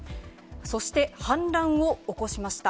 そして反乱を起こしました。